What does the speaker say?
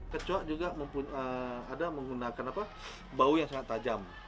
kecoa juga menggunakan bau yang sangat tajam